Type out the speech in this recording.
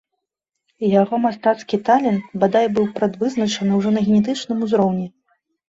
Яго мастацкі талент, бадай, быў прадвызначаны ўжо на генетычным узроўні.